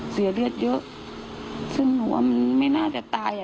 เสียเลือดเยอะซึ่งหัวมันไม่น่าจะตาย